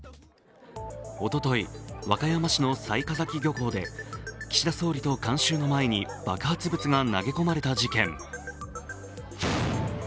おととい、和歌山市の雑賀崎漁港で岸田総理と観衆の前に爆発物が投げ込まれた事件。